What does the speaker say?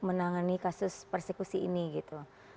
menangani kasus persekusi ini gitu